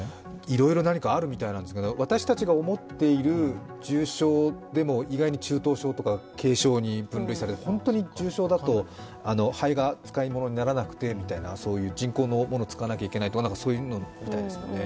いろいろ何かあるみたいなんですけど、私たちが思っている重症でも、意外に中等症とか軽症に分類される、本当に重症だと肺が使い物にならなくてとか、人工のものを使わなきゃいけないということらしいですね。